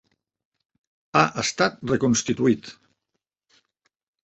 Ha estat reconstituït.